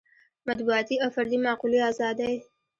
مطبوعاتي او فردي معقولې ازادۍ.